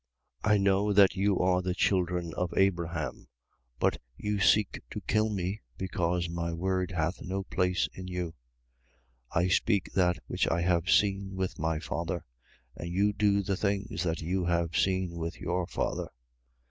8:37. I know that you are the children of Abraham: but you seek to kill me, because my word hath no place in you. 8:38. I speak that which I have seen with my Father: and you do the things that you have seen with your father.